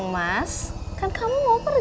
mas aku mau pergi mas